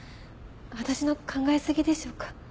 私の考え過ぎでしょうか？